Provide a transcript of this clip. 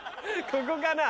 ここかな？